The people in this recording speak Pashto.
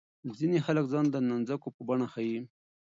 ځینې خلک ځان د نانځکو په بڼه ښيي.